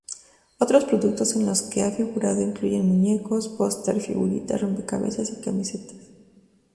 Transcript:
Otros productos en los que ha figurado incluyen muñecos, posters, figuritas, rompecabezas y camisetas.